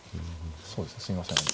そうですねすいません。